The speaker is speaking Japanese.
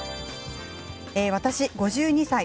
私、５２歳。